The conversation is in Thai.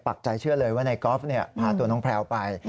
ใจเชื่อเลยว่านายกอล์ฟพาตัวน้องแพลวไป